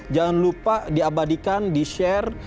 jangan lupa diabadikan di share